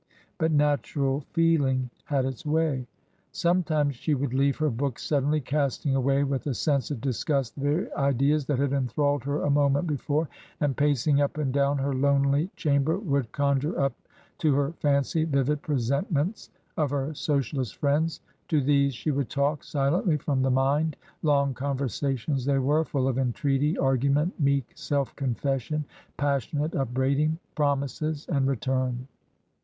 — but natural feeling had its way. Sometimes she would leave her books suddenly, casting away with a sense of disgust the very ideas that had enthralled her a moment before, and, pacing up and down her lonely chamber, would con jure up to her fancy vivid presentments of her Socialist friends. To these she would talk — silently, from the mind. Long conversations they were, full of entreaty, argument, meek self confession, passionate upbraiding, promises, and return.